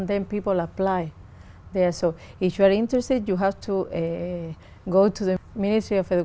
đã đi cùng với raúl castro